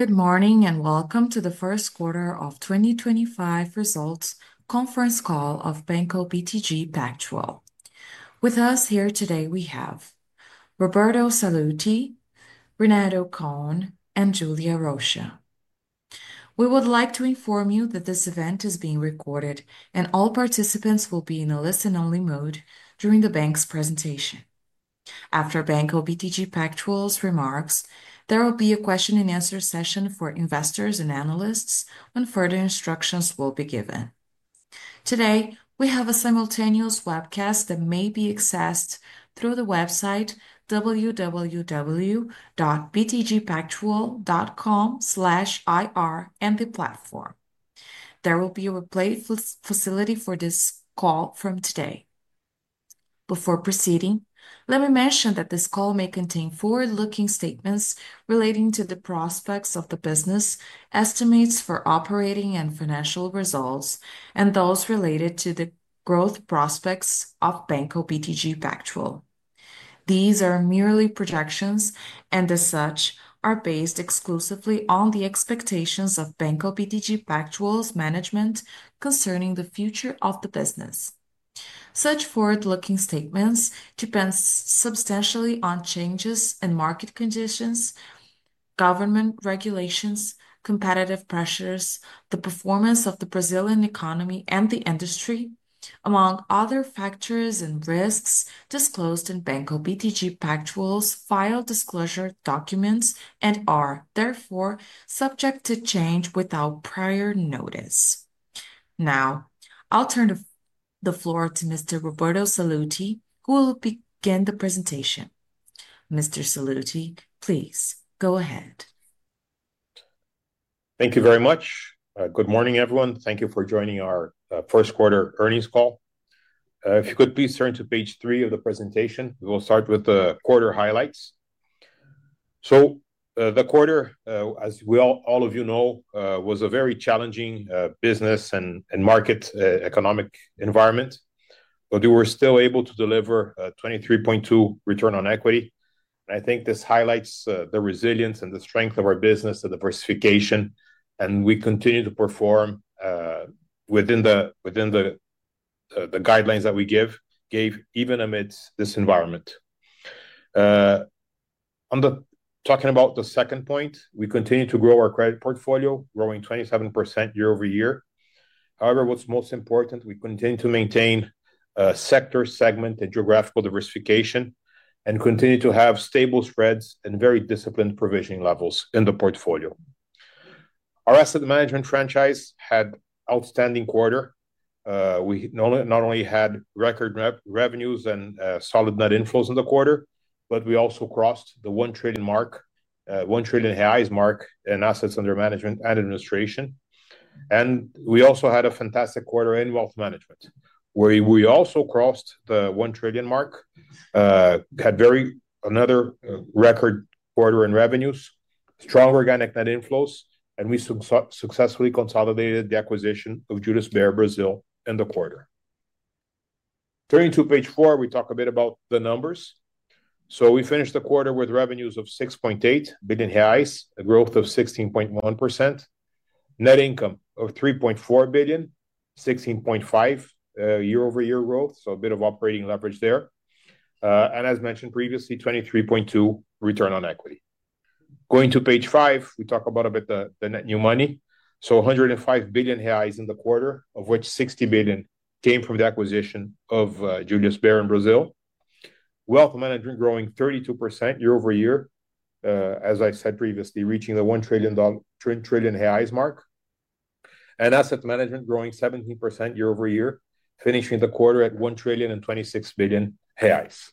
Good morning and welcome to the first quarter of 2025 results conference call of Banco BTG Pactual. With us here today we have Roberto Sallouti, Renato Cohn, and Julia Rocha. We would like to inform you that this event is being recorded and all participants will be in a listen-only mode during the bank's presentation. After Banco BTG Pactual's remarks, there will be a question-and-answer session for investors and analysts when further instructions will be given. Today, we have a simultaneous webcast that may be accessed through the website www.btgpactual.com/ir and the platform. There will be a replay facility for this call from today. Before proceeding, let me mention that this call may contain forward-looking statements relating to the prospects of the business, estimates for operating and financial results, and those related to the growth prospects of Banco BTG Pactual. These are merely projections and, as such, are based exclusively on the expectations of Banco BTG Pactual's management concerning the future of the business. Such forward-looking statements depend substantially on changes in market conditions, government regulations, competitive pressures, the performance of the Brazilian economy and the industry, among other factors and risks disclosed in Banco BTG Pactual's final disclosure documents and are, therefore, subject to change without prior notice. Now, I'll turn the floor to Mr. Roberto Sallouti, who will begin the presentation. Mr. Sallouti, please go ahead. Thank you very much. Good morning, everyone. Thank you for joining our first quarter earnings call. If you could please turn to page three of the presentation, we will start with the quarter highlights. The quarter, as all of you know, was a very challenging business and market economic environment, but we were still able to deliver a 23.2% return on equity. I think this highlights the resilience and the strength of our business, the diversification, and we continue to perform within the guidelines that we gave, even amidst this environment. Talking about the second point, we continue to grow our credit portfolio, growing 27% year over year. However, what's most important, we continue to maintain sector, segment, and geographical diversification and continue to have stable spreads and very disciplined provisioning levels in the portfolio. Our asset management franchise had an outstanding quarter. We not only had record revenues and solid net inflows in the quarter, but we also crossed the 1 trillion mark, 1 trillion reais mark in assets under management and administration. We also had a fantastic quarter in wealth management, where we also crossed the 1 trillion mark, had another record quarter in revenues, strong organic net inflows, and we successfully consolidated the acquisition of Julius Baer Brazil in the quarter. Turning to page four, we talk a bit about the numbers. We finished the quarter with revenues of 6.8 billion reais, a growth of 16.1%, net income of 3.4 billion, 16.5% year-over-year growth, so a bit of operating leverage there. As mentioned previously, 23.2% return on equity. Going to page five, we talk about a bit of the net new money. Had 105 billion reais in the quarter, of which 60 billion came from the acquisition of Julius Baer Brazil. Wealth management growing 32% year-over-year, as I said previously, reaching the BRL 1 trillion mark. And asset management growing 17% year-over-year, finishing the quarter at 1 trillion and 26 billion reais.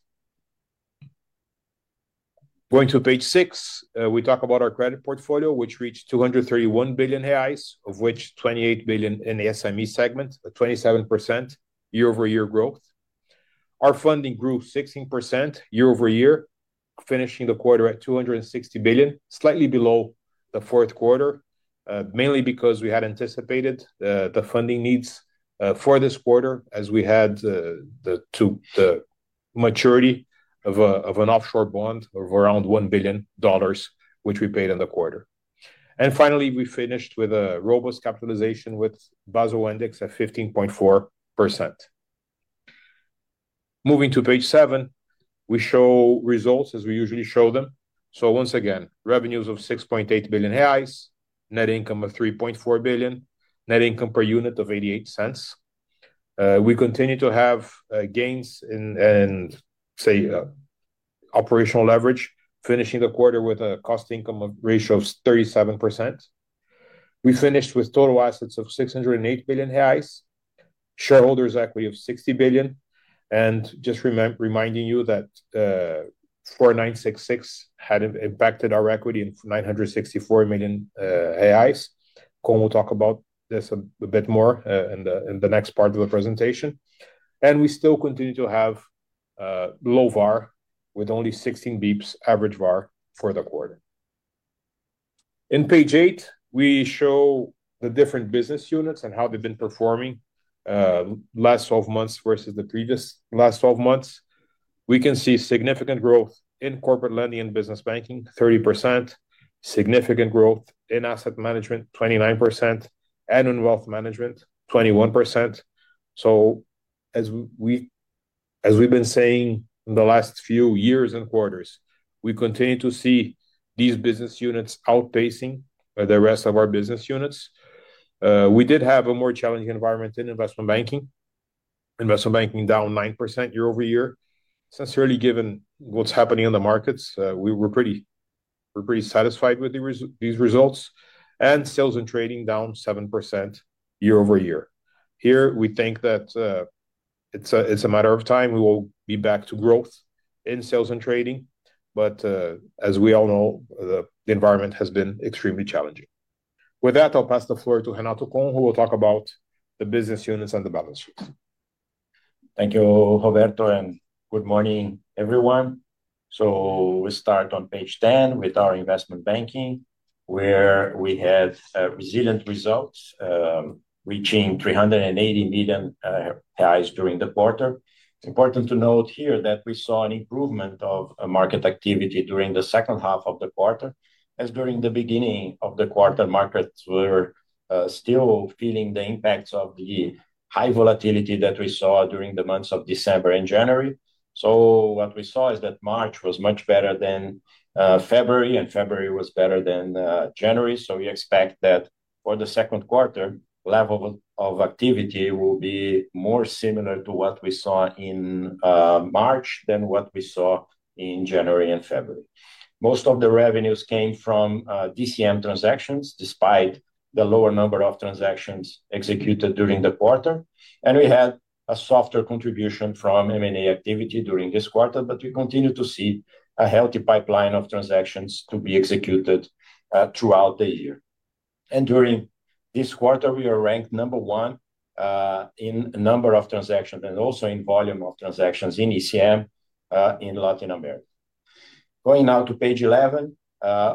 Going to page six, we talk about our credit portfolio, which reached 231 billion reais, of which 28 billion in the SME segment, a 27% year-over-year growth. Our funding grew 16% year-over-year, finishing the quarter at 260 billion, slightly below the fourth quarter, mainly because we had anticipated the funding needs for this quarter, as we had the maturity of an offshore bond of around $1 billion, which we paid in the quarter. Finally, we finished with a robust capitalization with Basel index at 15.4%. Moving to page seven, we show results as we usually show them. Once again, revenues of 6.8 billion reais, net income of 3.4 billion, net income per unit of 0.88. We continue to have gains in, say, operational leverage, finishing the quarter with a cost income ratio of 37%. We finished with total assets of 608 billion reais, shareholders' equity of 60 billion. Just reminding you that 4966 had impacted our equity in 964 million reais. Cohn will talk about this a bit more in the next part of the presentation. We still continue to have low VAR with only 16 basis points average VAR for the quarter. In page eight, we show the different business units and how they've been performing last 12 months versus the previous last 12 months. We can see significant growth in corporate lending and business banking, 30%, significant growth in asset management, 29%, and in wealth management, 21%. As we've been saying in the last few years and quarters, we continue to see these business units outpacing the rest of our business units. We did have a more challenging environment in investment banking. Investment banking down 9% year-over-year. Given what's happening in the markets, we were pretty satisfied with these results. Sales and trading down 7% year-over-year. Here, we think that it's a matter of time we will be back to growth in sales and trading. As we all know, the environment has been extremely challenging. With that, I'll pass the floor to Renato Cohn, who will talk about the business units and the balance sheets. Thank you, Roberto, and good morning, everyone. We start on page 10 with our investment banking, where we had resilient results, reaching 380 million during the quarter. It's important to note here that we saw an improvement of market activity during the second half of the quarter, as during the beginning of the quarter, markets were still feeling the impacts of the high volatility that we saw during the months of December and January. What we saw is that March was much better than February, and February was better than January. We expect that for the second quarter, the level of activity will be more similar to what we saw in March than what we saw in January and February. Most of the revenues came from DCM transactions, despite the lower number of transactions executed during the quarter. We had a softer contribution from M&A activity during this quarter, but we continue to see a healthy pipeline of transactions to be executed throughout the year. During this quarter, we are ranked number one in number of transactions and also in volume of transactions in ECM in Latin America. Going now to page 11,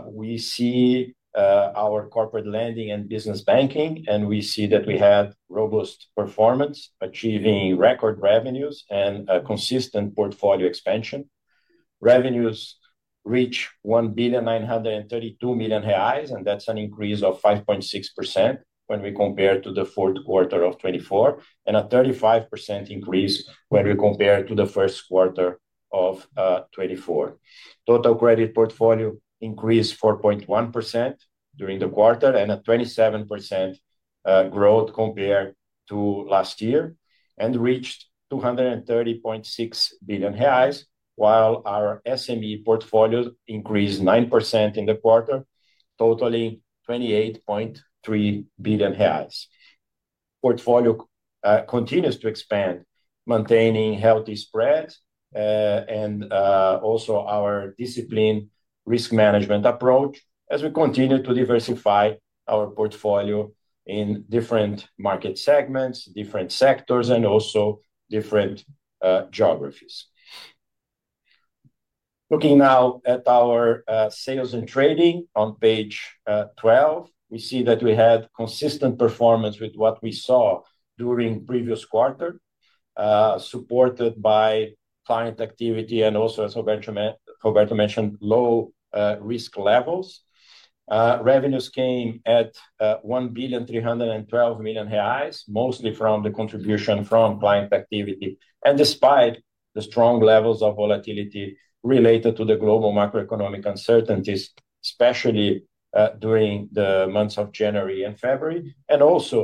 we see our corporate lending and business banking, and we see that we had robust performance, achieving record revenues and a consistent portfolio expansion. Revenues reached 1.932 billion, and that's an increase of 5.6% when we compare to the fourth quarter of 2024, and a 35% increase when we compare to the first quarter of 2024. Total credit portfolio increased 4.1% during the quarter and a 27% growth compared to last year and reached 230.6 billion reais, while our SME portfolio increased 9% in the quarter, totaling 28.3 billion reais. Portfolio continues to expand, maintaining healthy spreads and also our disciplined risk management approach as we continue to diversify our portfolio in different market segments, different sectors, and also different geographies. Looking now at our sales and trading on page 12, we see that we had consistent performance with what we saw during the previous quarter, supported by client activity and also, as Roberto mentioned, low risk levels. Revenues came at 1.312 billion, mostly from the contribution from client activity, and despite the strong levels of volatility related to the global macroeconomic uncertainties, especially during the months of January and February, and also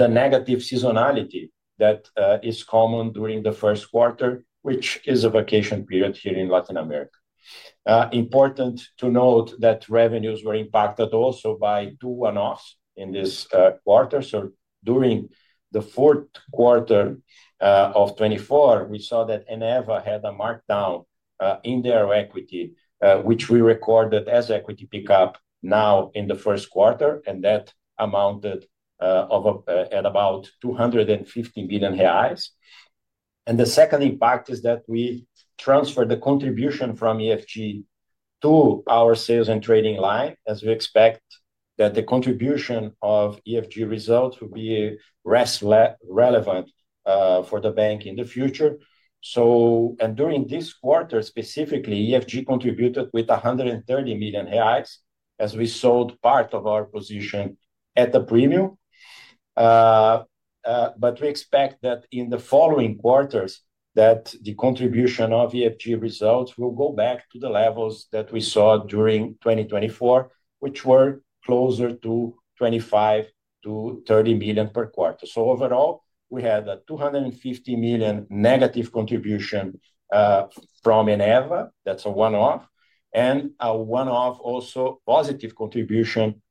the negative seasonality that is common during the first quarter, which is a vacation period here in Latin America. Important to note that revenues were impacted also by two one-offs in this quarter. During the fourth quarter of 2024, we saw that Eneva had a markdown in their equity, which we recorded as equity pickup now in the first quarter, and that amounted to about 250 million reais. The second impact is that we transferred the contribution from EFG to our sales and trading line, as we expect that the contribution of EFG results will be less relevant for the bank in the future. During this quarter specifically, EFG contributed with 130 million reais as we sold part of our position at a premium. We expect that in the following quarters, the contribution of EFG results will go back to the levels that we saw during 2024, which were closer to 25 million-30 million per quarter. Overall, we had a 250 million negative contribution from Eneva. That is a one-off. A one-off also positive contribution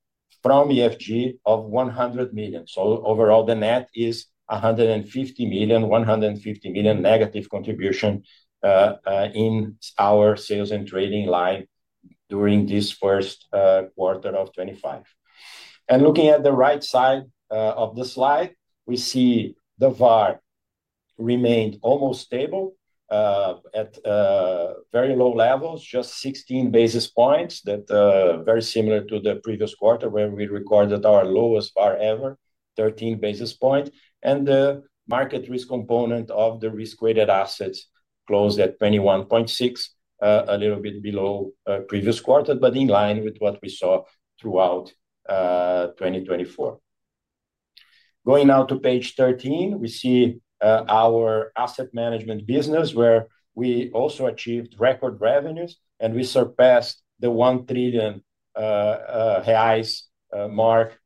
from EFG of 100 million. Overall, the net is 150 million, 150 million negative contribution in our sales and trading line during this first quarter of 2025. Looking at the right side of the slide, we see the VAR remained almost stable at very low levels, just 16 basis points. That is very similar to the previous quarter where we recorded our lowest VAR ever, 13 basis points. The market risk component of the risk-weighted assets closed at 21.6, a little bit below the previous quarter, but in line with what we saw throughout 2024. Going now to page 13, we see our asset management business, where we also achieved record revenues, and we surpassed the 1 trillion reais mark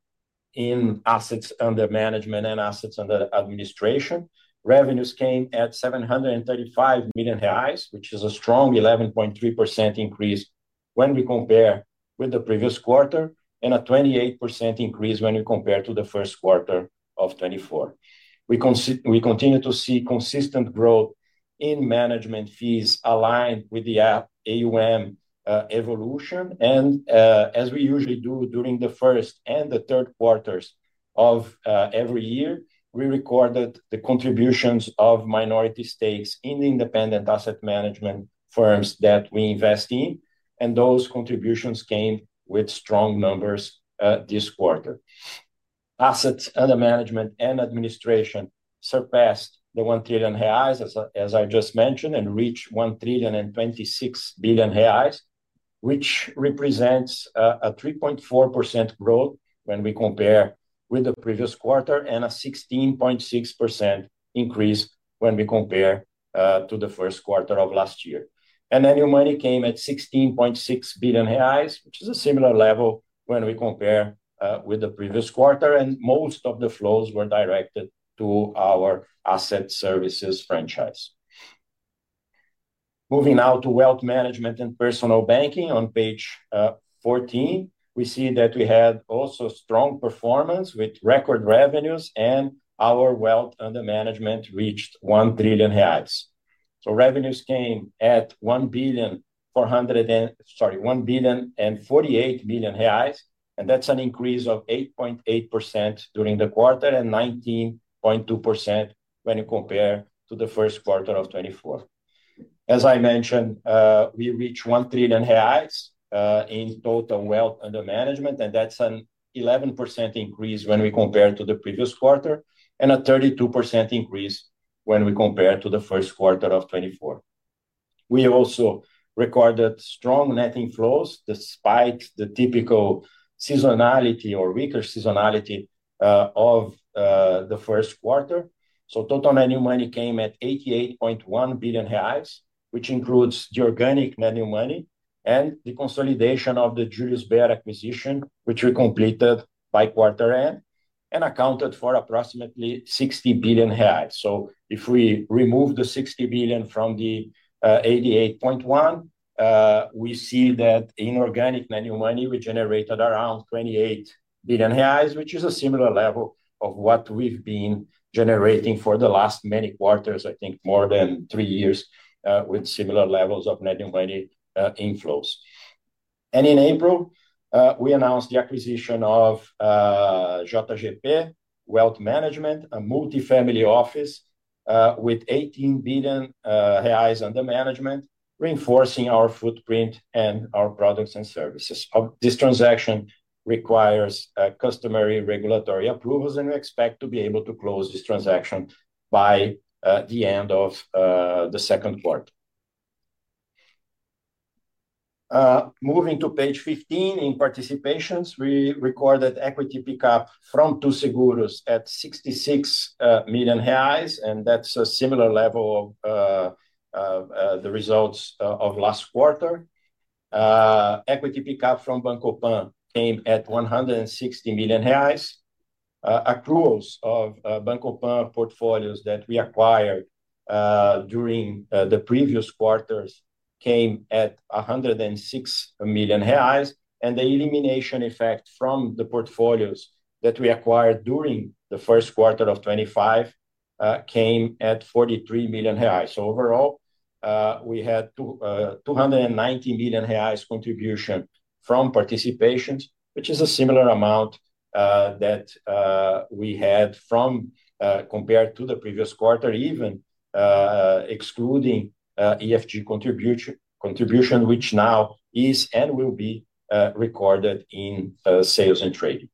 in assets under management and assets under administration. Revenues came at 735 million reais, which is a strong 11.3% increase when we compare with the previous quarter and a 28% increase when we compare to the first quarter of 2024. We continue to see consistent growth in management fees aligned with the AUM evolution. As we usually do during the first and the third quarters of every year, we recorded the contributions of minority stakes in independent asset management firms that we invest in. Those contributions came with strong numbers this quarter. Assets under management and administration surpassed the 1 trillion reais, as I just mentioned, and reached 1 trillion and 26 billion, which represents a 3.4% growth when we compare with the previous quarter and a 16.6% increase when we compare to the first quarter of last year. New money came at 16.6 billion reais, which is a similar level when we compare with the previous quarter. Most of the flows were directed to our asset services franchise. Moving now to wealth management and personal banking. On page 14, we see that we had also strong performance with record revenues, and our wealth under management reached 1 trillion reais. Revenues came at 1.048 billion, and that is an increase of 8.8% during the quarter and 19.2% when you compare to the first quarter of 2024. As I mentioned, we reached 1 trillion reais in total wealth under management, and that is an 11% increase when we compare to the previous quarter and a 32% increase when we compare to the first quarter of 2024. We also recorded strong net inflows despite the typical seasonality or weaker seasonality of the first quarter. Total net new money came at 88.1 billion reais, which includes the organic net new money and the consolidation of the Julius Baer Brazil acquisition, which we completed by quarter end and accounted for approximately 60 billion reais. If we remove the 60 billion from the 88.1 billion, we see that in organic net new money, we generated around 28 billion reais, which is a similar level of what we've been generating for the last many quarters, I think more than three years with similar levels of net new money inflows. In April, we announced the acquisition of JGP Wealth Management, a multi-family office with 18 billion reais under management, reinforcing our footprint and our products and services. This transaction requires customary regulatory approvals, and we expect to be able to close this transaction by the end of the second quarter. Moving to page 15, in participations, we recorded equity pickup from Two Seguros at 66 million reais, and that's a similar level of the results of last quarter. Equity pickup from Banco PAN came at 160 million reais. Accruals of Banco PAN portfolios that we acquired during the previous quarters came at 106 million reais. The elimination effect from the portfolios that we acquired during the first quarter of 2025 came at 43 million reais. Overall, we had 290 million reais contribution from participations, which is a similar amount that we had compared to the previous quarter, even excluding EFG contribution, which now is and will be recorded in sales and trading.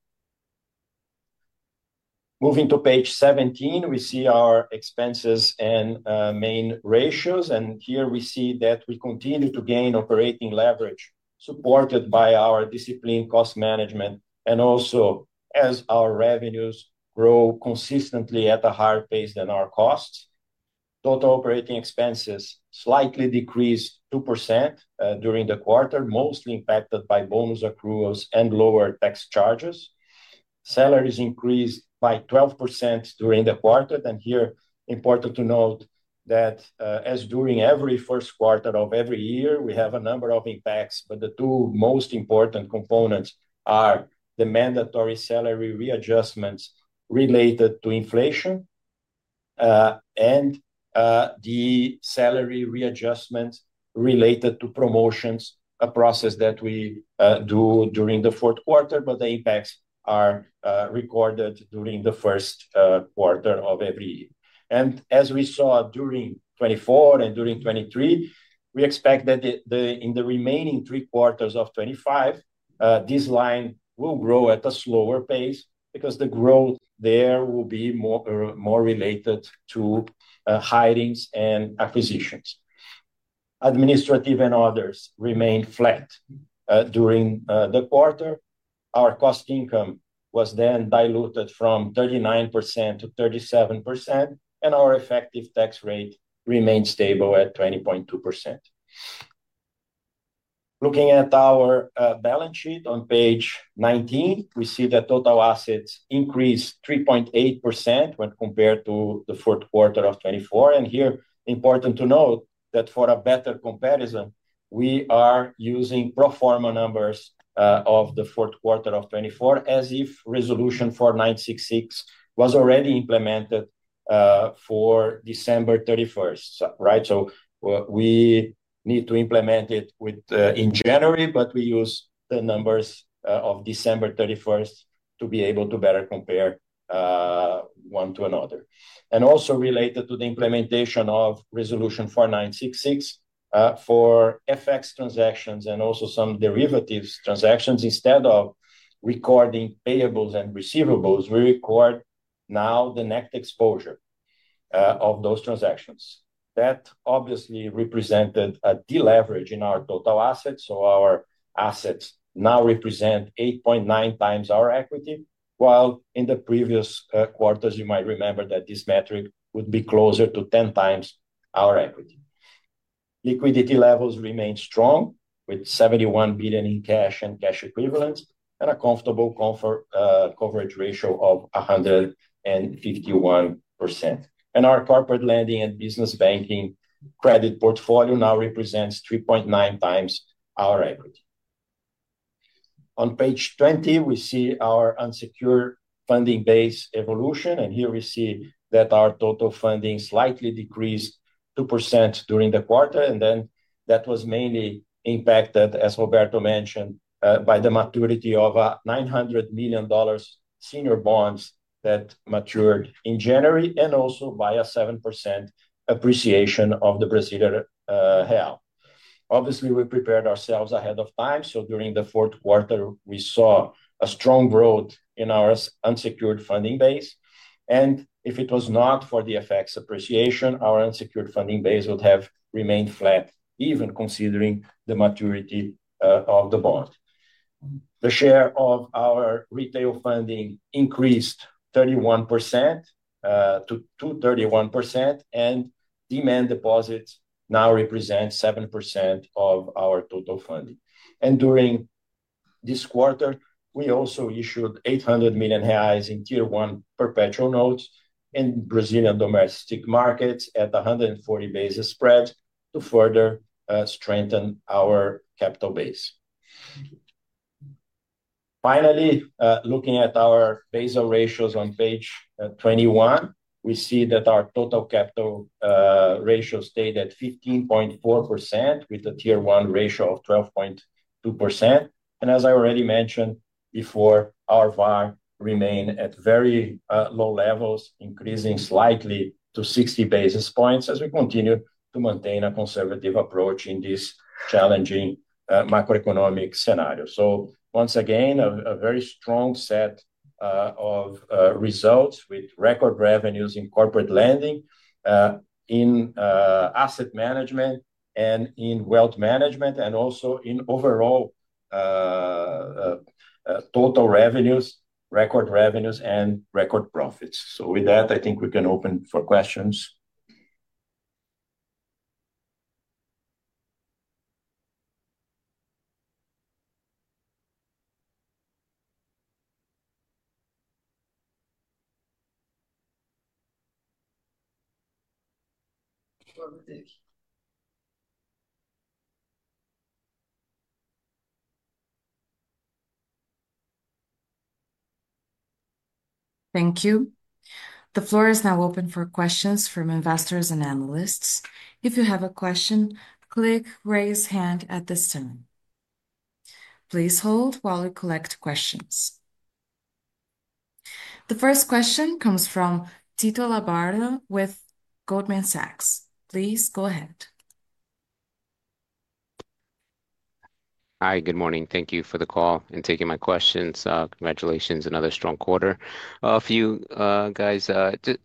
Moving to page 17, we see our expenses and main ratios. Here we see that we continue to gain operating leverage supported by our disciplined cost management and also as our revenues grow consistently at a higher pace than our costs. Total operating expenses slightly decreased 2% during the quarter, mostly impacted by bonus accruals and lower tax charges. Salaries increased by 12% during the quarter. Here, important to note that as during every first quarter of every year, we have a number of impacts, but the two most important components are the mandatory salary readjustments related to inflation and the salary readjustments related to promotions, a process that we do during the fourth quarter, but the impacts are recorded during the first quarter of every year. As we saw during 2024 and during 2023, we expect that in the remaining three quarters of 2025, this line will grow at a slower pace because the growth there will be more related to hirings and acquisitions. Administrative and others remained flat during the quarter. Our cost income was then diluted from 39% to 37%, and our effective tax rate remained stable at 20.2%. Looking at our balance sheet on page 19, we see that total assets increased 3.8% when compared to the fourth quarter of 2024. Here, important to note that for a better comparison, we are using pro forma numbers of the fourth quarter of 2024 as if resolution 4966 was already implemented for December 31. We need to implement it in January, but we use the numbers of December 31 to be able to better compare one to another. Also related to the implementation of resolution 4966 for FX transactions and also some derivatives transactions, instead of recording payables and receivables, we record now the net exposure of those transactions. That obviously represented a deleverage in our total assets. Our assets now represent 8.9 times our equity, while in the previous quarters, you might remember that this metric would be closer to 10 times our equity. Liquidity levels remained strong with 71 billion in cash and cash equivalents and a comfortable coverage ratio of 151%. Our corporate lending and business banking credit portfolio now represents 3.9 times our equity. On page 20, we see our unsecured funding base evolution. Here we see that our total funding slightly decreased 2% during the quarter. That was mainly impacted, as Roberto mentioned, by the maturity of $900 million senior bonds that matured in January and also by a 7% appreciation of the Brazilian real. Obviously, we prepared ourselves ahead of time. During the fourth quarter, we saw a strong growth in our unsecured funding base. If it was not for the FX appreciation, our unsecured funding base would have remained flat, even considering the maturity of the bond. The share of our retail funding increased 31% to 231%, and demand deposits now represent 7% of our total funding. During this quarter, we also issued 800 million reais in tier one perpetual notes in Brazilian domestic markets at 140 basis points spreads to further strengthen our capital base. Finally, looking at our Basel ratios on page 21, we see that our total capital ratio stayed at 15.4% with a tier one ratio of 12.2%. As I already mentioned before, our VAR remained at very low levels, increasing slightly to 16 basis points as we continue to maintain a conservative approach in this challenging macroeconomic scenario. Once again, a very strong set of results with record revenues in corporate lending, in asset management, and in wealth management, and also in overall total revenues, record revenues, and record profits. With that, I think we can open for questions. Thank you. The floor is now open for questions from investors and analysts. If you have a question, click raise hand at this time. Please hold while we collect questions. The first question comes from Tito Labarta with Goldman Sachs. Please go ahead. Hi, good morning. Thank you for the call and taking my questions. Congratulations, another strong quarter. A few guys,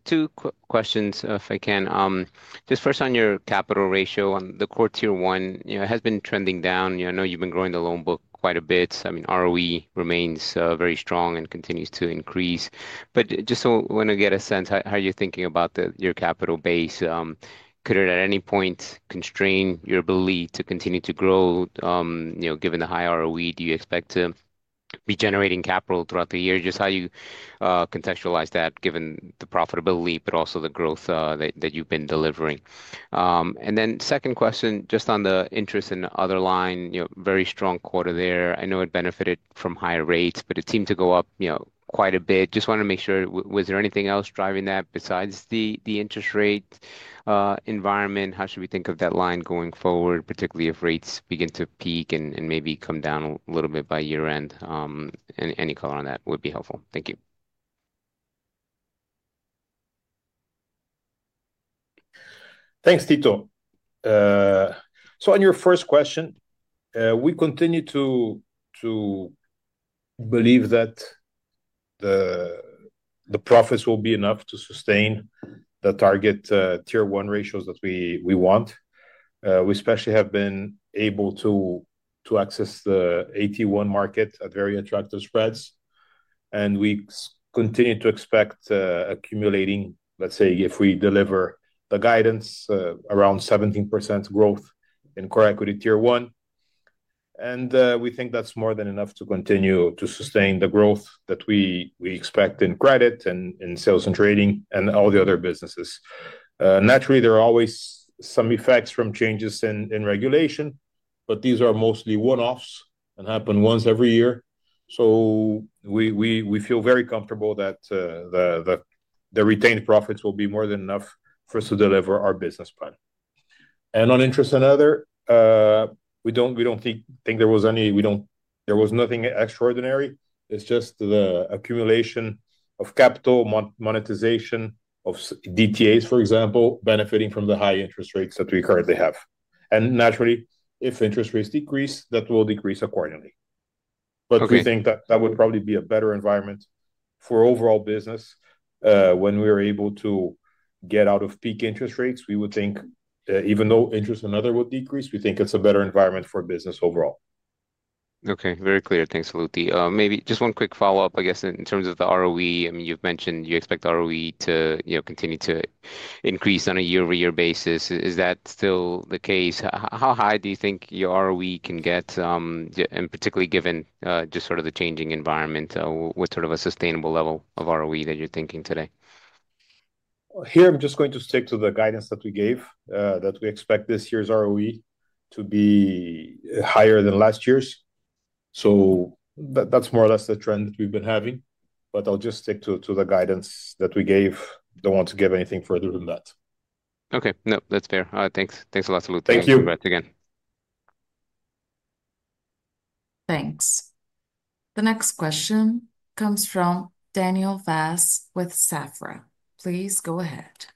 two questions if I can. Just first on your capital ratio on the quarter one, it has been trending down. I know you've been growing the loan book quite a bit. I mean, ROE remains very strong and continues to increase. Just so I want to get a sense, how are you thinking about your capital base? Could it at any point constrain your ability to continue to grow given the high ROE? Do you expect to be generating capital throughout the year? Just how you contextualize that given the profitability, but also the growth that you've been delivering. Second question, just on the interest in the other line, very strong quarter there. I know it benefited from higher rates, but it seemed to go up quite a bit. Just want to make sure, was there anything else driving that besides the interest rate environment? How should we think of that line going forward, particularly if rates begin to peak and maybe come down a little bit by year-end? Any color on that would be helpful. Thank you. Thanks, Tito. On your first question, we continue to believe that the profits will be enough to sustain the target tier one ratios that we want. We especially have been able to access the 81 market at very attractive spreads. We continue to expect accumulating, let's say, if we deliver the guidance, around 17% growth in core equity tier one. We think that's more than enough to continue to sustain the growth that we expect in credit and in sales and trading and all the other businesses. Naturally, there are always some effects from changes in regulation, but these are mostly one-offs and happen once every year. We feel very comfortable that the retained profits will be more than enough for us to deliver our business plan. On interest and other, we do not think there was anything extraordinary. It is just the accumulation of capital, monetization of DTAs, for example, benefiting from the high interest rates that we currently have. Naturally, if interest rates decrease, that will decrease accordingly. We think that would probably be a better environment for overall business. When we are able to get out of peak interest rates, we would think, even though interest and other would decrease, it is a better environment for business overall. Okay, very clear. Thanks, Sallouti. Maybe just one quick follow-up, I guess, in terms of the ROE. I mean, you've mentioned you expect ROE to continue to increase on a year-over-year basis. Is that still the case? How high do you think your ROE can get, particularly given just sort of the changing environment? What sort of a sustainable level of ROE that you're thinking today? Here, I'm just going to stick to the guidance that we gave, that we expect this year's ROE to be higher than last year's. That's more or less the trend that we've been having. I'll just stick to the guidance that we gave. Don't want to give anything further than that. Okay. No, that's fair. Thanks a lot, Sallouti. Thank you very much again. Thank you. Thanks. The next question comes from Daniel Vaz with Safra. Please go ahead.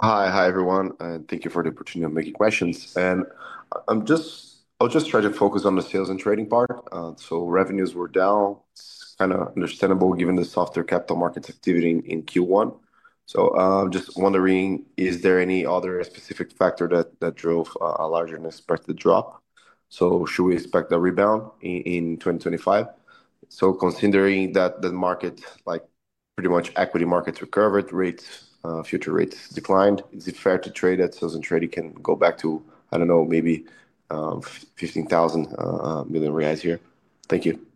Hi, hi everyone. Thank you for the opportunity of making questions. I'll just try to focus on the sales and trading part. Revenues were down. It's kind of understandable given the softer capital markets activity in Q1. I'm just wondering, is there any other specific factor that drove a larger unexpected drop? Should we expect a rebound in 2025? Considering that the market, like pretty much equity markets recovered, future rates declined, is it fair to trade that sales and trading can go back to, I do not know, maybe 15,000 million reais here? Thank you.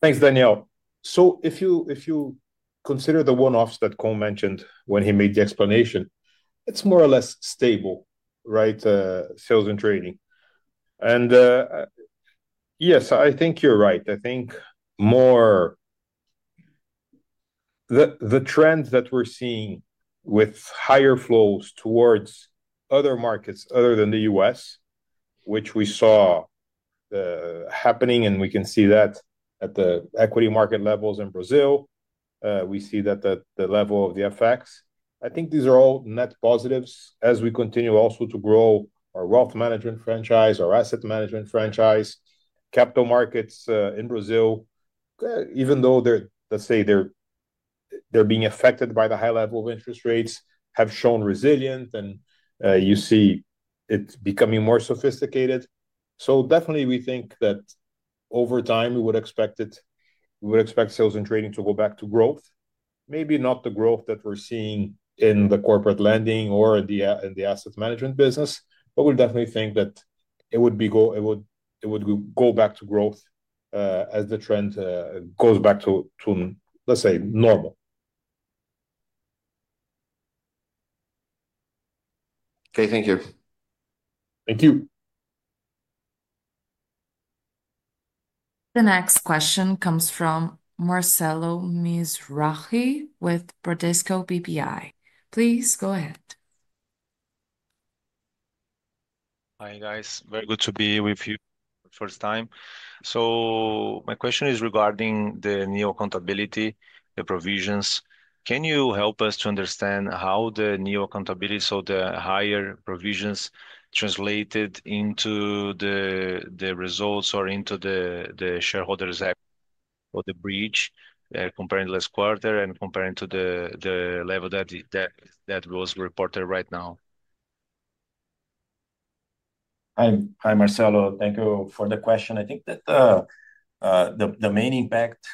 Thanks, Daniel. If you consider the one-offs that Cohn mentioned when he made the explanation, it's more or less stable, right? Sales and trading. Yes, I think you're right. I think more the trend that we're seeing with higher flows towards other markets other than the U.S., which we saw happening, and we can see that at the equity market levels in Brazil. We see that the level of the FX, I think these are all net positives as we continue also to grow our wealth management franchise, our asset management franchise, capital markets in Brazil, even though they're, let's say, they're being affected by the high level of interest rates, have shown resilience, and you see it becoming more sophisticated. Definitely, we think that over time, we would expect sales and trading to go back to growth. Maybe not the growth that we're seeing in the corporate lending or in the asset management business, but we definitely think that it would go back to growth as the trend goes back to, let's say, normal. Okay, thank you. Thank you. The next question comes from Marcelo Mizrahi with Bradesco BBI. Please go ahead. Hi guys. Very good to be with you for the first time. My question is regarding the neo accountability, the provisions. Can you help us to understand how the neo accountability, so the higher provisions translated into the results or into the shareholders' act or the breach comparing last quarter and comparing to the level that was reported right now? Hi, Marcelo. Thank you for the question. I think that the main impact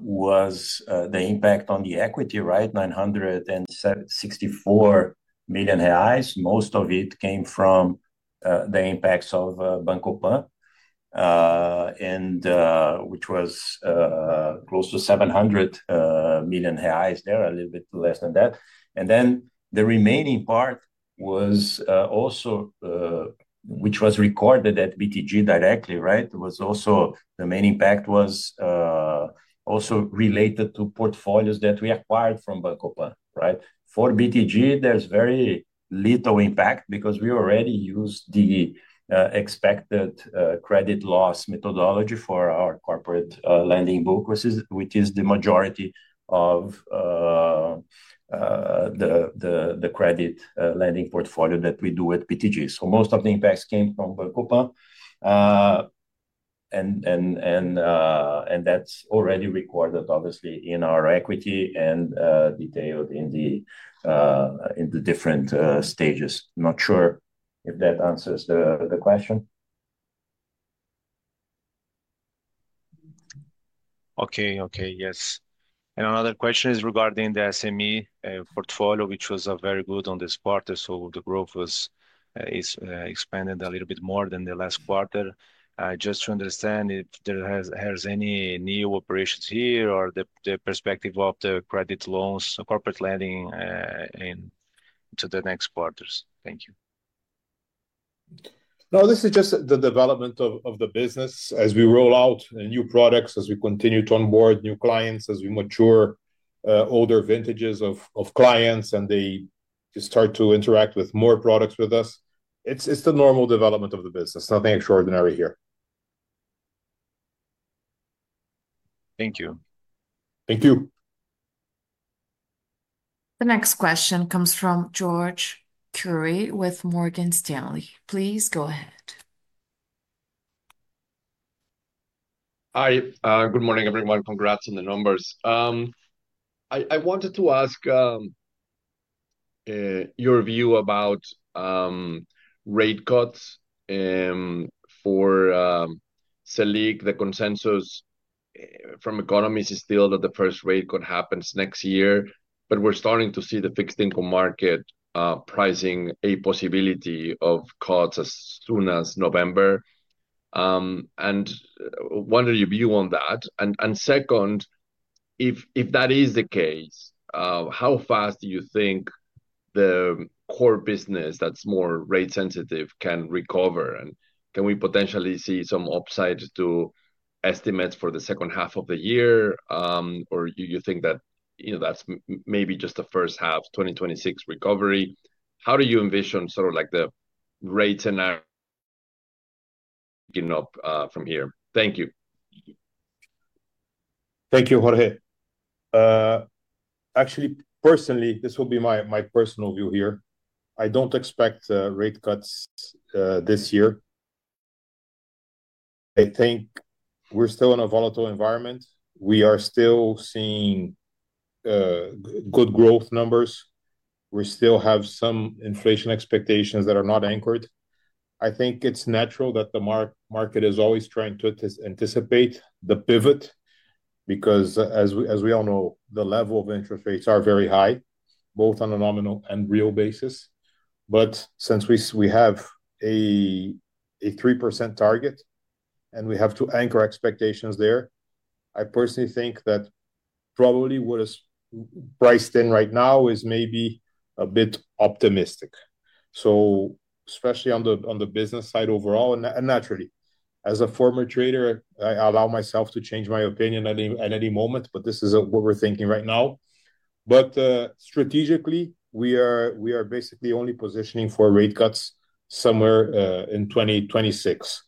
was the impact on the equity, right? 964 million reais. Most of it came from the impacts of Banco PAN, which was close to 700 million reais there, a little bit less than that. The remaining part was also, which was recorded at BTG directly, right? It was also the main impact was also related to portfolios that we acquired from Banco PAN, right? For BTG, there is very little impact because we already used the expected credit loss methodology for our corporate lending book, which is the majority of the credit lending portfolio that we do at BTG. Most of the impacts came from Banco PAN. That is already recorded, obviously, in our equity and detailed in the different stages. Not sure if that answers the question. Okay, okay. Yes. Another question is regarding the SME portfolio, which was very good in this quarter. The growth was expanded a little bit more than the last quarter. Just to understand if there are any new operations here or the perspective of the credit loans, corporate lending into the next quarters. Thank you. No, this is just the development of the business as we roll out new products, as we continue to onboard new clients, as we mature older vintages of clients and they start to interact with more products with us. It's the normal development of the business. Nothing extraordinary here. Thank you. Thank you. The next question comes from Jorge Kuri with Morgan Stanley. Please go ahead. Hi, good morning, everyone. Congrats on the numbers. I wanted to ask your view about rate cuts for SELIC. The consensus from economists is still that the first rate cut happens next year, but we're starting to see the fixed income market pricing a possibility of cuts as soon as November. I wonder your view on that. Second, if that is the case, how fast do you think the core business that's more rate-sensitive can recover? Can we potentially see some upside to estimates for the second half of the year? Do you think that that is maybe just the first half, 2026 recovery? How do you envision sort of like the rates and picking up from here? Thank you. Thank you, Jorge. Actually, personally, this will be my personal view here. I do not expect rate cuts this year. I think we are still in a volatile environment. We are still seeing good growth numbers. We still have some inflation expectations that are not anchored. I think it is natural that the market is always trying to anticipate the pivot because, as we all know, the level of interest rates are very high, both on a nominal and real basis. Since we have a 3% target and we have to anchor expectations there, I personally think that probably what is priced in right now is maybe a bit optimistic. Especially on the business side overall. Naturally, as a former trader, I allow myself to change my opinion at any moment, but this is what we're thinking right now. Strategically, we are basically only positioning for rate cuts somewhere in 2026.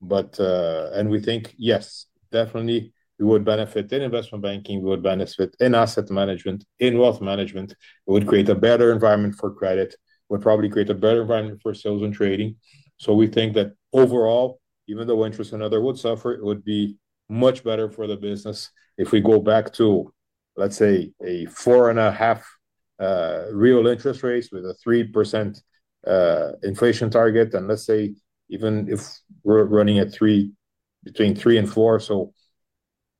We think, yes, definitely, we would benefit in investment banking. We would benefit in asset management, in wealth management. It would create a better environment for credit. It would probably create a better environment for sales and trading. So we think that overall, even though interest and other would suffer, it would be much better for the business if we go back to, let's say, a 4.5 BRL interest rate with a 3% inflation target. Let's say even if we're running between 3 and 4,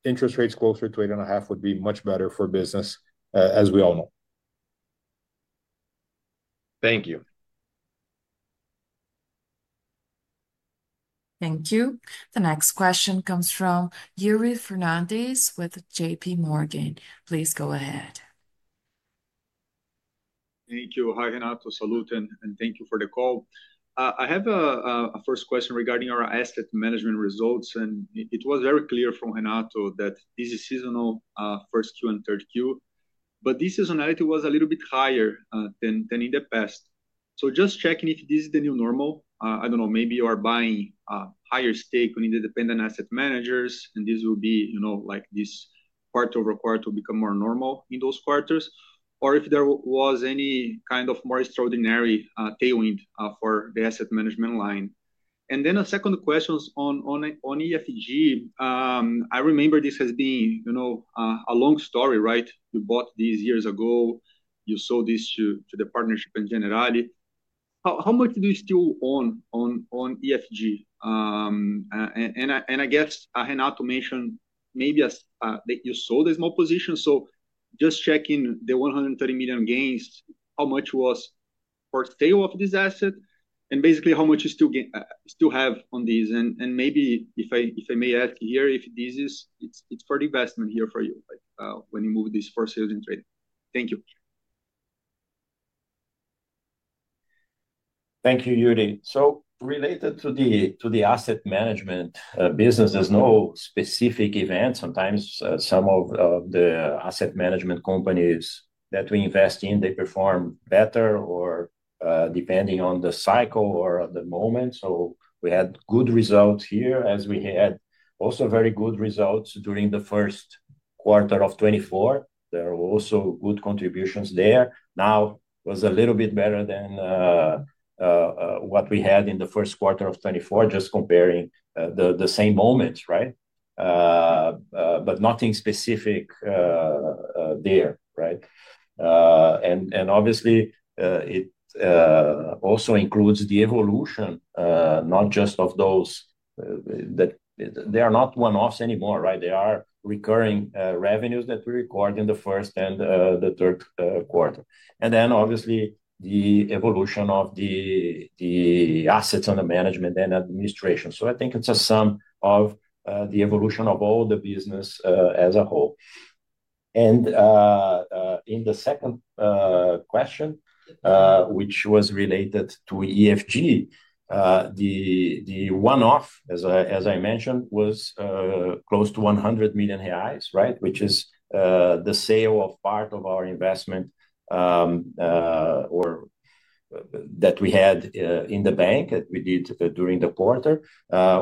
interest rates closer to 8.5 would be much better for business, as we all know. Thank you. Thank you. The next question comes from Yuri Fernandes with JP Morgan. Please go ahead. Thank you. Hi, Renato. Sallouti, and thank you for the call. I have a first question regarding our asset management results. It was very clear from Renato that this is seasonal, first Q and third Q. This seasonality was a little bit higher than in the past. Just checking if this is the new normal. I do not know, maybe you are buying a higher stake in the dependent asset managers, and this will be like this quarter over quarter will become more normal in those quarters, or if there was any kind of more extraordinary tailwind for the asset management line. A second question on EFG. I remember this has been a long story, right? You bought these years ago. You sold this to the partnership in Generali. How much do you still own on EFG? I guess Renato mentioned maybe you sold a small position. Just checking the 130 million gains, how much was for sale of this asset? Basically, how much you still have on these? Maybe if I may ask here, if this is for the investment here for you when you move this for sales and trading. Thank you. Thank you, Yuri. Related to the asset management business, there is no specific event. Sometimes some of the asset management companies that we invest in perform better or depending on the cycle or the moment. We had good results here as we had also very good results during the first quarter of 2024. There were also good contributions there. Now it was a little bit better than what we had in the first quarter of 2024, just comparing the same moments, right? Nothing specific there, right? It also includes the evolution, not just of those that are not one-offs anymore, right? They are recurring revenues that we record in the first and the third quarter. Then, the evolution of the assets under management and administration. I think it is a sum of the evolution of all the business as a whole. In the second question, which was related to EFG, the one-off, as I mentioned, was close to 100 million reais, right? Which is the sale of part of our investment or that we had in the bank that we did during the quarter.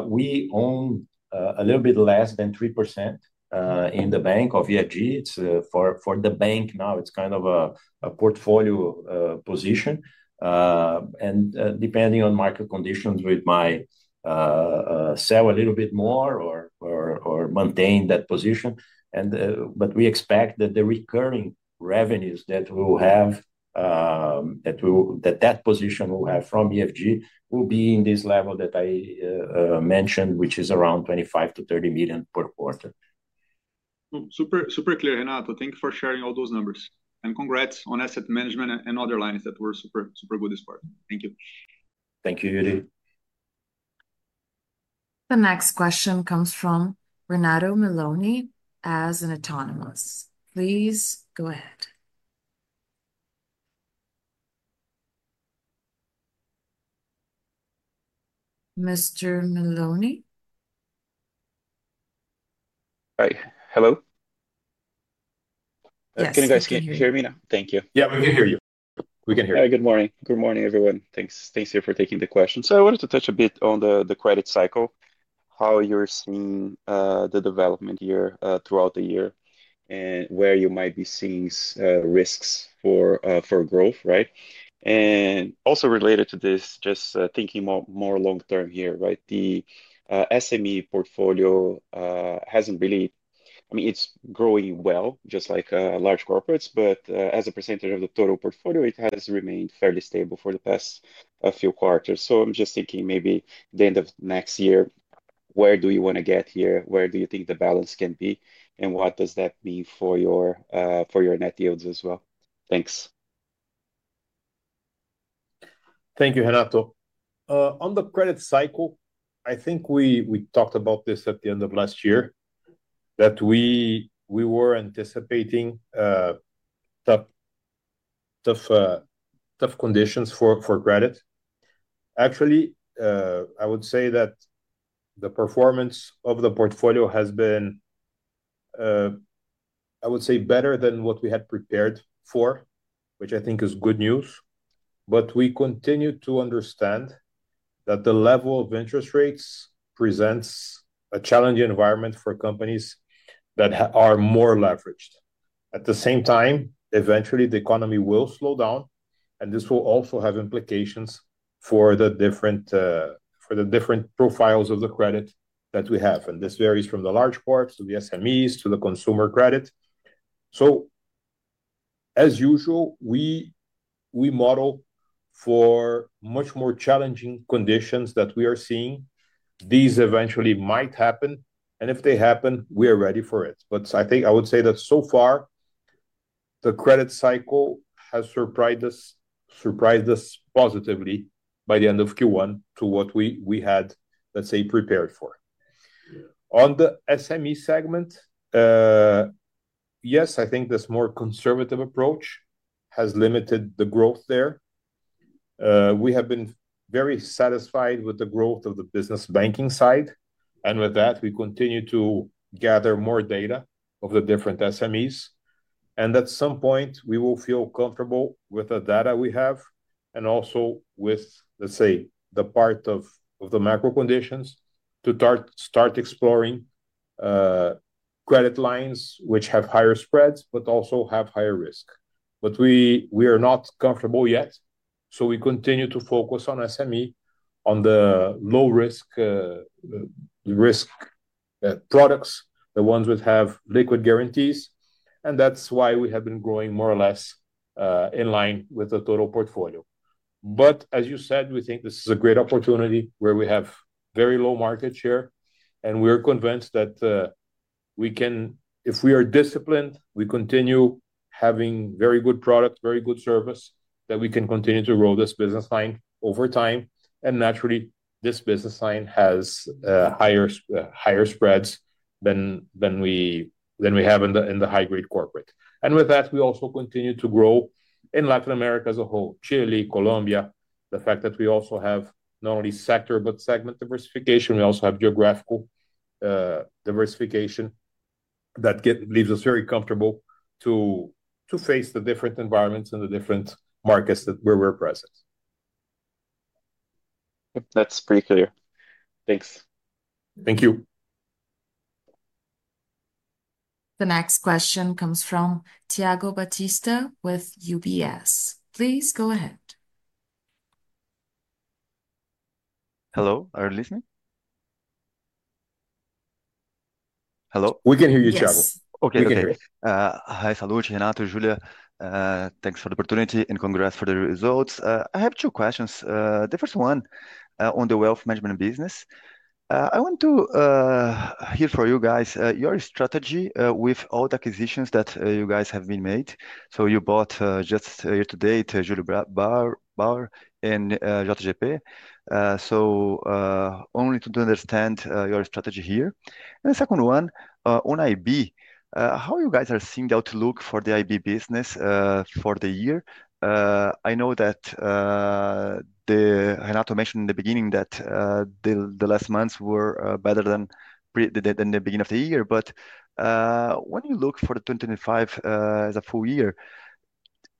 We own a little bit less than 3% in the bank of EFG. For the bank now, it is kind of a portfolio position. Depending on market conditions, we might sell a little bit more or maintain that position. We expect that the recurring revenues that we will have, that that position will have from EFG, will be in this level that I mentioned, which is around 25 million-30 million per quarter. Super clear, Renato. Thank you for sharing all those numbers. Congrats on asset management and other lines that were super, super good this quarter. Thank you. Thank you, Yuri. The next question comes from Renato Meloni as an autonomous. Please go ahead. Mr. Meloni. Hi. Hello? Can you guys hear me now? Thank you. Yeah, we can hear you. We can hear you. Good morning. Good morning, everyone. Thanks here for taking the question. I wanted to touch a bit on the credit cycle, how you're seeing the development year throughout the year and where you might be seeing risks for growth, right? Also related to this, just thinking more long-term here, right? The SME portfolio hasn't really, I mean, it's growing well, just like large corporates, but as a percentage of the total portfolio, it has remained fairly stable for the past few quarters. I'm just thinking maybe the end of next year, where do you want to get here? Where do you think the balance can be? What does that mean for your net yields as well? Thanks. Thank you, Renato. On the credit cycle, I think we talked about this at the end of last year that we were anticipating tough conditions for credit. Actually, I would say that the performance of the portfolio has been, I would say, better than what we had prepared for, which I think is good news. We continue to understand that the level of interest rates presents a challenging environment for companies that are more leveraged. At the same time, eventually, the economy will slow down, and this will also have implications for the different profiles of the credit that we have. This varies from the large quarters to the SMEs to the consumer credit. As usual, we model for much more challenging conditions that we are seeing. These eventually might happen. If they happen, we are ready for it. I think I would say that so far, the credit cycle has surprised us positively by the end of Q1 to what we had, let's say, prepared for. On the SME segment, yes, I think this more conservative approach has limited the growth there. We have been very satisfied with the growth of the business banking side. With that, we continue to gather more data of the different SMEs. At some point, we will feel comfortable with the data we have and also with, let's say, the part of the macro conditions to start exploring credit lines which have higher spreads, but also have higher risk. We are not comfortable yet. We continue to focus on SME, on the low-risk products, the ones that have liquid guarantees. That is why we have been growing more or less in line with the total portfolio. As you said, we think this is a great opportunity where we have very low market share. We are convinced that if we are disciplined, we continue having very good product, very good service, we can continue to grow this business line over time. Naturally, this business line has higher spreads than we have in the high-grade corporate. With that, we also continue to grow in Latin America as a whole, Chile, Colombia. The fact that we also have not only sector, but segment diversification. We also have geographical diversification that leaves us very comfortable to face the different environments and the different markets that we are present. That is pretty clear. Thanks. Thank you. The next question comes from Thiago Batista with UBS. Please go ahead. Hello. Are you listening? Hello? We can hear you, Thiago. Okay, we can hear you. Hi, Sallouti, Renato, Júlia. Thanks for the opportunity and congrats for the results. I have two questions. The first one on the wealth management business. I want to hear from you guys, your strategy with all the acquisitions that you guys have been made. You bought just year to date, Julius Baer Brazil and JGP. Only to understand your strategy here. The second one, on IB, how you guys are seeing the outlook for the IB business for the year. I know that Renato mentioned in the beginning that the last months were better than the beginning of the year. When you look for 2025 as a full year,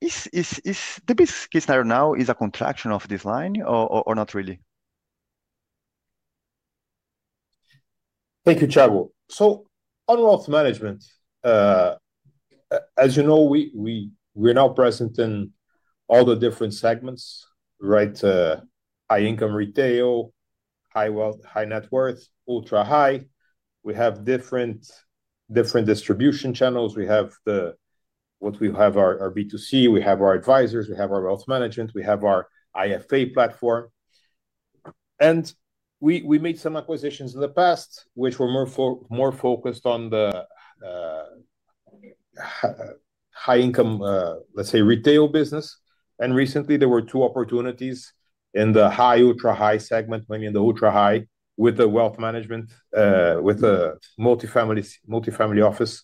the biggest case now is a contraction of this line or not really? Thank you, Thiago. On wealth management, as you know, we are now present in all the different segments, right? High-income retail, high net worth, ultra-high. We have different distribution channels. We have our B2C. We have our advisors. We have our wealth management. We have our IFA platform. We made some acquisitions in the past, which were more focused on the high-income, let's say, retail business. Recently, there were two opportunities in the high, ultra-high segment, maybe in the ultra-high with the wealth management, with the multifamily office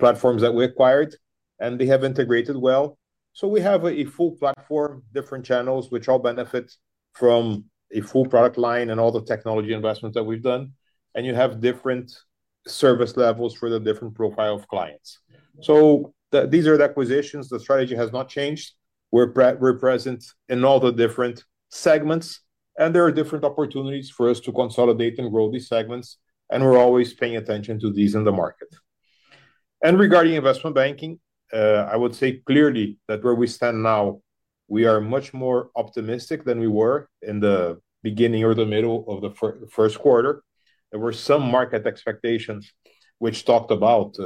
platforms that we acquired. They have integrated well. We have a full platform, different channels, which all benefit from a full product line and all the technology investments that we've done. You have different service levels for the different profile of clients. These are the acquisitions. The strategy has not changed. We're present in all the different segments. There are different opportunities for us to consolidate and grow these segments. We're always paying attention to these in the market. Regarding investment banking, I would say clearly that where we stand now, we are much more optimistic than we were in the beginning or the middle of the first quarter. There were some market expectations which talked about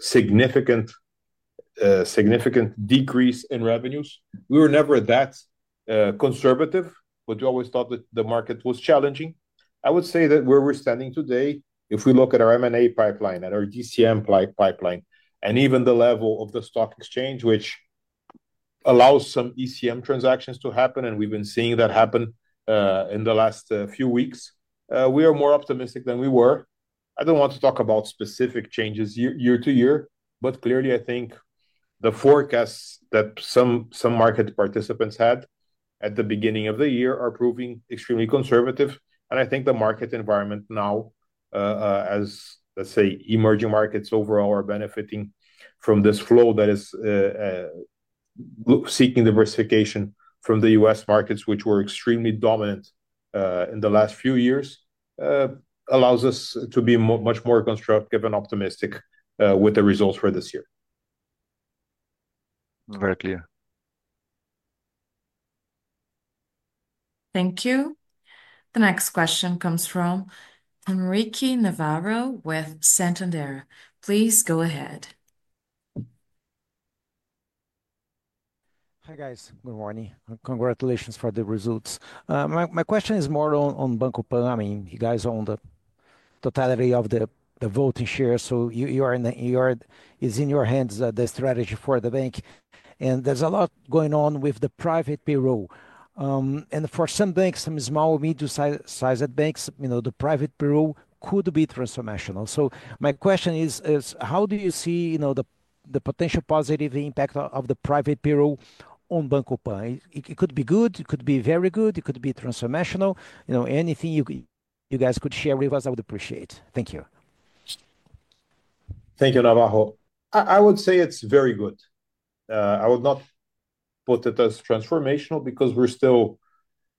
significant decrease in revenues. We were never that conservative, but we always thought that the market was challenging. I would say that where we're standing today, if we look at our M&A pipeline and our DCM pipeline, and even the level of the stock exchange, which allows some ECM transactions to happen, and we've been seeing that happen in the last few weeks, we are more optimistic than we were. I do not want to talk about specific changes year to year, but clearly, I think the forecasts that some market participants had at the beginning of the year are proving extremely conservative. I think the market environment now, as, let's say, emerging markets overall are benefiting from this flow that is seeking diversification from the U.S. markets, which were extremely dominant in the last few years, allows us to be much more constructive and optimistic with the results for this year. Very clear. Thank you. The next question comes from Henrique Navarro with Santander. Please go ahead. Hi guys. Good morning. Congratulations for the results. My question is more on Banco PAN. You guys own the totality of the voting share. It is in your hands the strategy for the bank. There is a lot going on with the private payroll. For some banks, some small, medium-sized banks, the private payroll could be transformational. My question is, how do you see the potential positive impact of the private payroll on Banco PAN? It could be good. It could be very good. It could be transformational. Anything you guys could share with us, I would appreciate. Thank you. Thank you, Navarro. I would say it's very good. I would not put it as transformational because we're still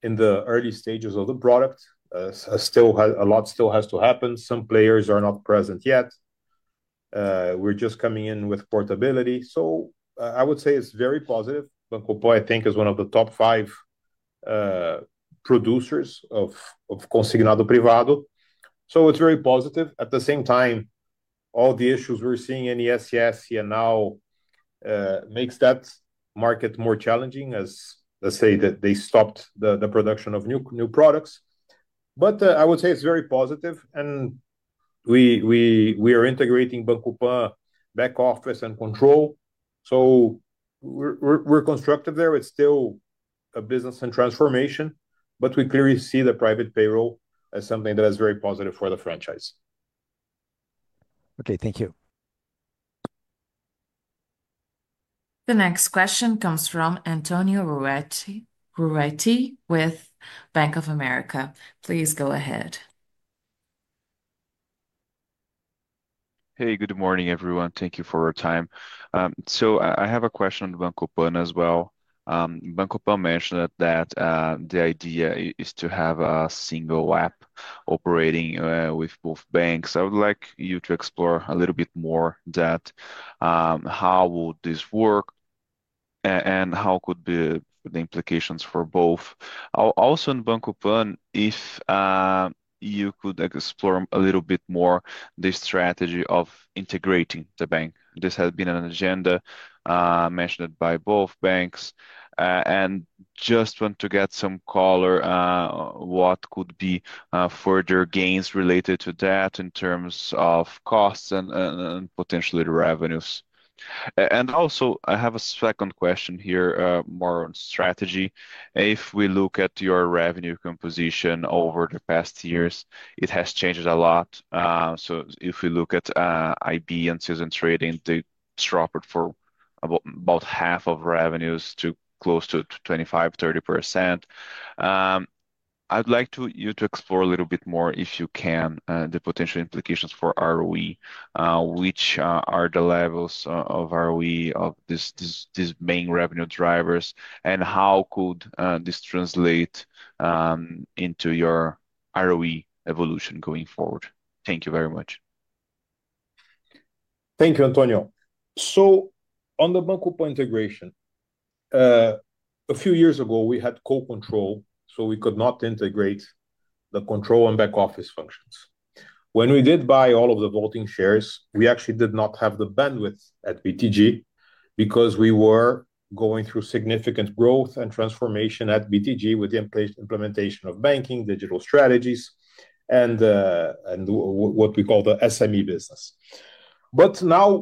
in the early stages of the product. A lot still has to happen. Some players are not present yet. We're just coming in with portability. I would say it's very positive. Banco PAN, I think, is one of the top five producers of Consignado Privado. It's very positive. At the same time, all the issues we're seeing in ESS here now makes that market more challenging as, let's say, they stopped the production of new products. I would say it's very positive. We are integrating Banco PAN back office and control. We're constructive there. It's still a business in transformation, but we clearly see the private payroll as something that is very positive for the franchise. Okay, thank you. The next question comes from Antonio Ruette with Bank of America. Please go ahead. Hey, good morning, everyone. Thank you for your time. I have a question on Banco PAN as well. Banco PAN mentioned that the idea is to have a single app operating with both banks. I would like you to explore a little bit more that, how would this work and how could be the implications for both. Also, in Banco PAN, if you could explore a little bit more the strategy of integrating the bank. This has been an agenda mentioned by both banks. I just want to get some color on what could be further gains related to that in terms of costs and potentially revenues. I have a second question here more on strategy. If we look at your revenue composition over the past years, it has changed a lot. If we look at IB and Sales and Trading, they dropped from about half of revenues to close to 25%-30%. I'd like you to explore a little bit more, if you can, the potential implications for ROE, which are the levels of ROE of these main revenue drivers, and how could this translate into your ROE evolution going forward. Thank you very much. Thank you, Antonio. On the Banco PAN integration, a few years ago, we had co-control, so we could not integrate the control and back office functions. When we did buy all of the voting shares, we actually did not have the bandwidth at BTG because we were going through significant growth and transformation at BTG with the implementation of banking, digital strategies, and what we call the SME business. Now,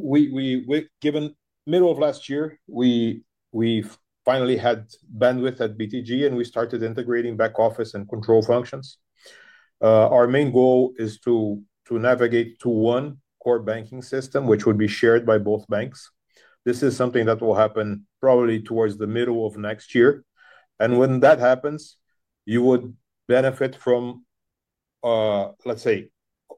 given middle of last year, we finally had bandwidth at BTG, and we started integrating back office and control functions. Our main goal is to navigate to one core banking system, which would be shared by both banks. This is something that will happen probably towards the middle of next year. When that happens, you would benefit from, let's say,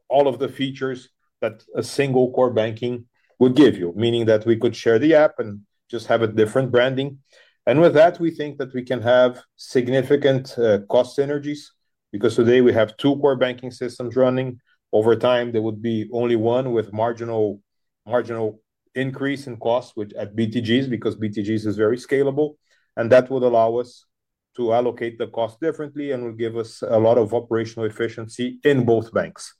all of the features that a single core banking would give you, meaning that we could share the app and just have a different branding. With that, we think that we can have significant cost synergies because today we have two core banking systems running. Over time, there would be only one with marginal increase in costs at BTG's because BTG's is very scalable. That would allow us to allocate the cost differently and will give us a lot of operational efficiency in both banks.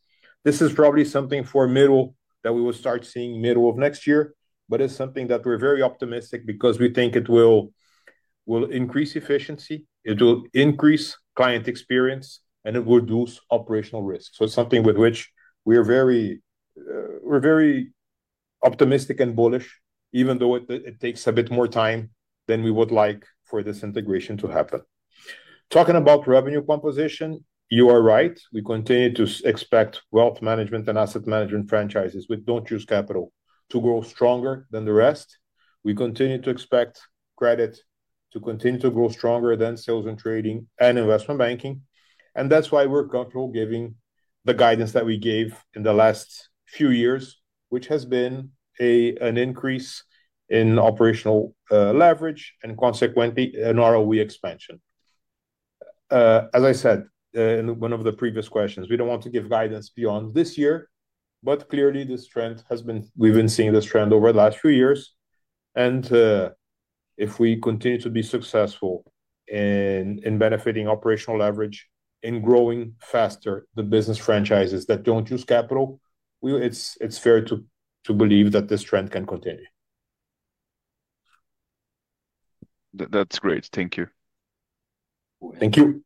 This is probably something for middle that we will start seeing middle of next year, but it's something that we're very optimistic because we think it will increase efficiency, it will increase client experience, and it will reduce operational risk. It's something with which we're very optimistic and bullish, even though it takes a bit more time than we would like for this integration to happen. Talking about revenue composition, you are right. We continue to expect wealth management and asset management franchises with don't-use capital to grow stronger than the rest. We continue to expect credit to continue to grow stronger than sales and trading and investment banking. That's why we're comfortable giving the guidance that we gave in the last few years, which has been an increase in operational leverage and consequently an ROE expansion. As I said in one of the previous questions, we don't want to give guidance beyond this year, but clearly, this trend has been we've been seeing this trend over the last few years. If we continue to be successful in benefiting operational leverage in growing faster the business franchises that do not use capital, it is fair to believe that this trend can continue. That is great. Thank you. Thank you.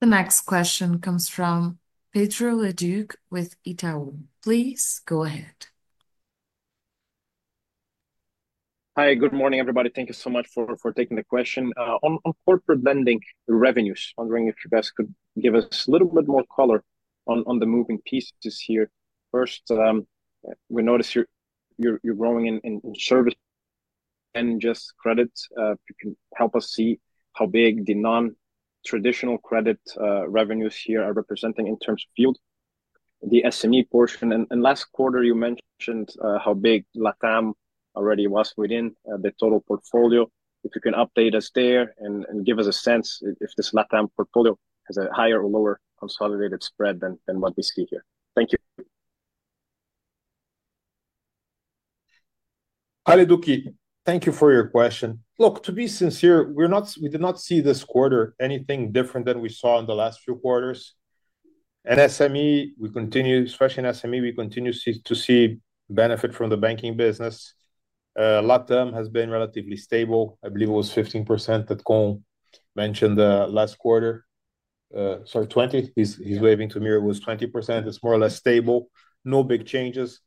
The next question comes from Pedro Leduc with Itaú. Please go ahead. Hi, good morning, everybody. Thank you so much for taking the question. On corporate lending revenues, wondering if you guys could give us a little bit more color on the moving pieces here. First, we notice you are growing in service and just credit. You can help us see how big the non-traditional credit revenues here are representing in terms of field. The SME portion. Last quarter, you mentioned how big LATAM already was within the total portfolio. If you can update us there and give us a sense if this LATAM portfolio has a higher or lower consolidated spread than what we see here. Thank you. Hi Leduc. Thank you for your question. Look, to be sincere, we did not see this quarter anything different than we saw in the last few quarters. In SME, we continue, especially in SME, we continue to see benefit from the banking business. LATAM has been relatively stable. I believe it was 15% that Cohn mentioned last quarter. Sorry, 20. He's waving to me. It was 20%. It's more or less stable. No big changes.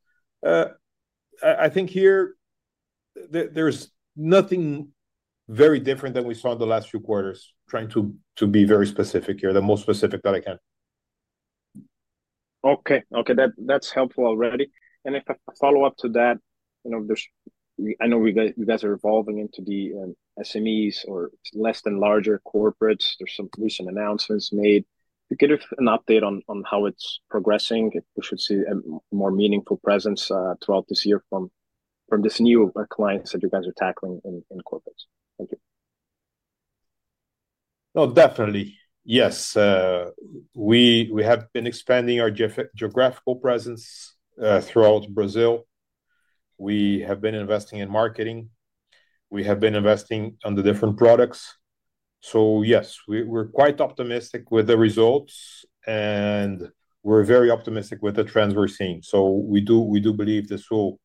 I think here there's nothing very different than we saw in the last few quarters. Trying to be very specific here, the most specific that I can. Okay. Okay. That's helpful already. If I follow up to that, I know you guys are evolving into the SMEs or less and larger corporates. There are some recent announcements made. If you could give an update on how it is progressing, if we should see a more meaningful presence throughout this year from these new clients that you guys are tackling in corporates. Thank you. No, definitely. Yes. We have been expanding our geographical presence throughout Brazil. We have been investing in marketing. We have been investing on the different products. Yes, we are quite optimistic with the results, and we are very optimistic with the trends we are seeing. We do believe this will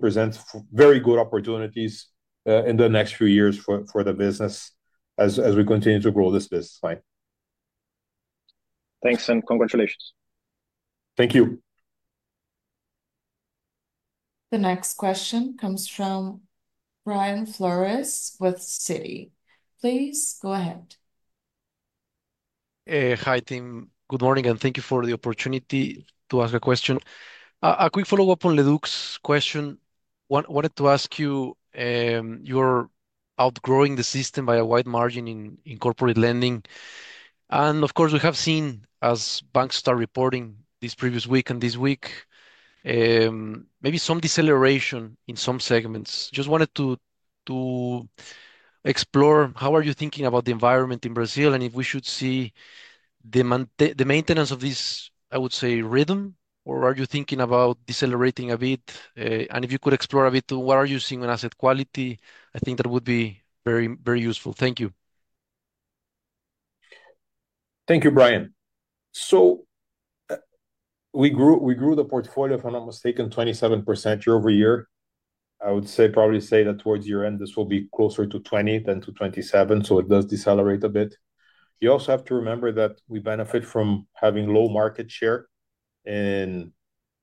present very good opportunities in the next few years for the business as we continue to grow this business line. Thanks and congratulations. Thank you. The next question comes from Brian Flores with Citi. Please go ahead. Hi team. Good morning and thank you for the opportunity to ask a question. A quick follow-up on Leduc's question. Wanted to ask you, you're outgrowing the system by a wide margin in corporate lending. Of course, we have seen as banks start reporting this previous week and this week, maybe some deceleration in some segments. Just wanted to explore how are you thinking about the environment in Brazil and if we should see the maintenance of this, I would say, rhythm, or are you thinking about decelerating a bit? If you could explore a bit to what are you seeing on asset quality, I think that would be very useful. Thank you. Thank you, Brian. We grew the portfolio of an almost taken 27% year over year. I would say probably say that towards year end, this will be closer to 20% than to 27%. It does decelerate a bit. You also have to remember that we benefit from having low market share in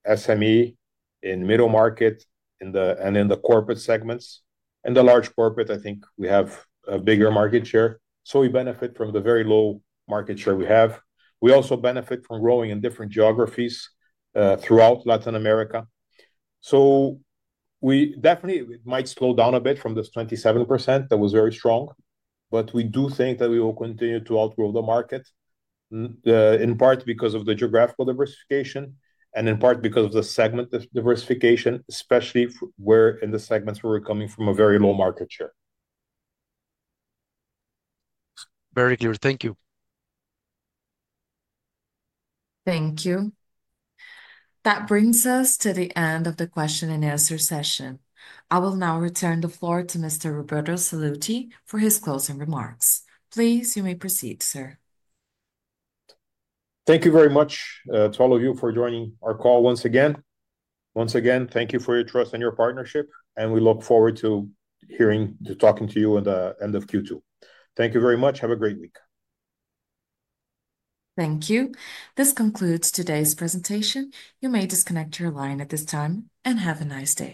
SME, in middle market, and in the corporate segments. In the large corporate, I think we have a bigger market share. We benefit from the very low market share we have. We also benefit from growing in different geographies throughout Latin America. We definitely might slow down a bit from this 27% that was very strong. We do think that we will continue to outgrow the market in part because of the geographical diversification and in part because of the segment diversification, especially in the segments where we're coming from a very low market share. Very clear. Thank you. Thank you. That brings us to the end of the question and answer session. I will now return the floor to Mr. Roberto Sallouti for his closing remarks. Thank you very much to all of you for joining our call once again. Once again, thank you for your trust and your partnership. We look forward to talking to you at the end of Q2. Thank you very much. Have a great week. Thank you. This concludes today's presentation. You may disconnect your line at this time and have a nice day.